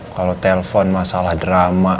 kalo telpon masalah drama